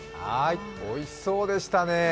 おいしそうでしたね。